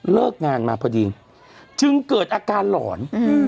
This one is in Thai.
เลิกงานมาพอดีจึงเกิดอาการหลอน